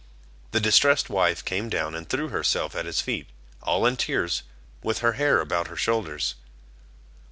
The distressed wife came down, and threw herself at his feet, all in tears, with her hair about her shoulders.